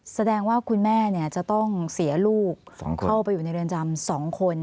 แสดงว่าคุณแม่จะต้องเสียลูกเข้าไปอยู่ในเรือนจำ๒คน